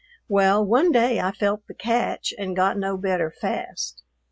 Well, one day I felt the catch and got no better fast.